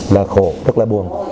là khổ rất là buồn